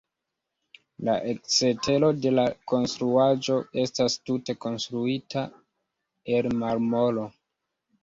La ekstero de la konstruaĵo estas tute konstruita el marmoro.